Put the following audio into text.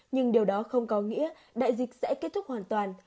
nhưng điều đó không có nghĩa đại dịch sẽ kết thúc hoàn toàn